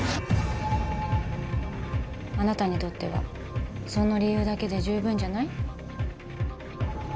あなたにとってはその理由だけで十分じゃない？